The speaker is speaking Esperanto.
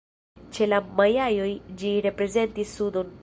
Ĉe la majaoj ĝi reprezentis sudon.